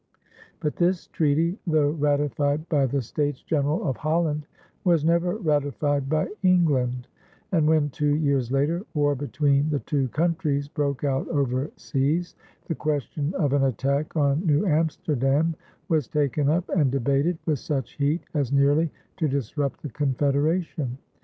But this treaty, though ratified by the States General of Holland, was never ratified by England, and, when two years later war between the two countries broke out overseas, the question of an attack on New Amsterdam was taken up and debated with such heat as nearly to disrupt the Confederation.